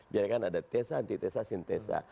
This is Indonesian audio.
biarkan ada tesa antitesa sintesa